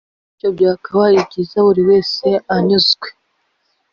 bityo byakabaye byiza buri wese anyuzwe